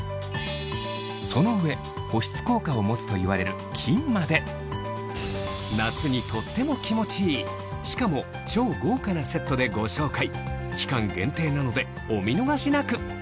その上保湿効果を持つといわれる金まで夏にとっても気持ちいいしかも超豪華なセットでご紹介期間限定なのでお見逃し